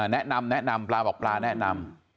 แนะนำแนะนำปลาบอกปลาแนะนำ